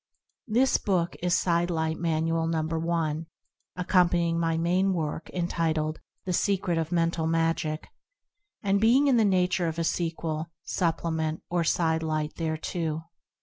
This book is "Side Light Manual No. i" accom panying my main work entitled "The Secret of Mental Magic/' and being in the nature of a sequel, supplement, or "side light" thereto.